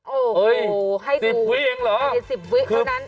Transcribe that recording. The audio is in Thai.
โอ้โหสิบวิเองเหรอ